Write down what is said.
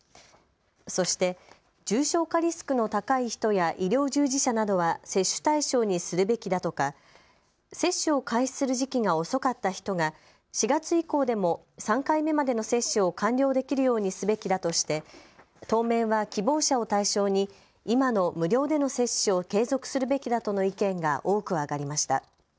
そして重症化リスクの高い人や医療従事者などは接種対象にするべきだとか接種を開始する時期が遅かった人が４月以降でも３回目までの接種を完了できるようにすべきだとして当面は希望者を対象に今の無料での接種を継続するべきだとの意見が多くあがりました。